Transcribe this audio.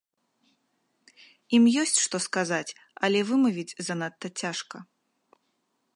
Ім ёсць што сказаць, але вымавіць занадта цяжка.